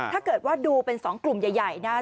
ถ้าเกิดว่าดูเป็น๒กลุ่มใหญ่นะครับ